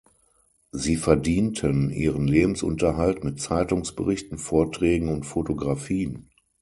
Sie verdienten ihren Lebensunterhalt mit Zeitungsberichten, Vorträgen und Fotografien.